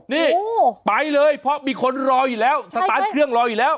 นี่ไปเลยเพราะมีคนรออยู่แล้วสตาร์ทเครื่องรออยู่แล้ว